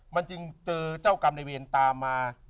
มันจึงเจอเจ้ากรรมในเวรตามมา